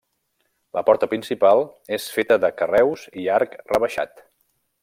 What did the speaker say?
La porta principal és feta de carreus i arc rebaixat.